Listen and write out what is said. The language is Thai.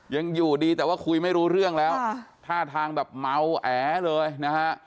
ยังอยู่ดีแต่ว่าคุยไม่รู้เรื่องแล้วท่าทางแบบเมาแอเลยนะฮะ